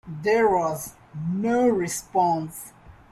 There was no response.